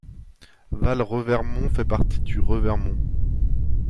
Val-Revermont fait partie du Revermont.